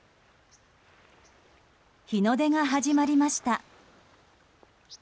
日の出が始まりました。